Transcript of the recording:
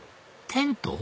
テント？